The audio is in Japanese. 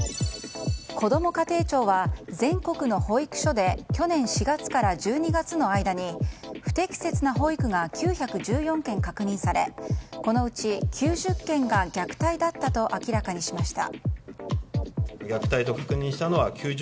こども家庭庁は全国の保育所で去年４月から１２月の間に不適切な保育が９１４件確認されこのうち９０件が虐待だったと明らかにしました。